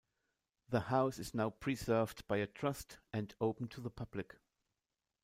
The house is now preserved by a trust and open to the public.